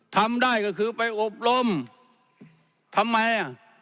ทำได้ก็คือไปอบรมทำไมอ่ะ